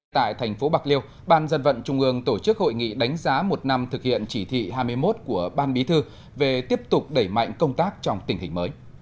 tại thành phố bạc liêu ban dân vận trung ương tổ chức hội nghị đánh giá một năm thực hiện chỉ thị hai mươi một của ban bí thư về tiếp tục đẩy mạnh công tác trong tình hình mới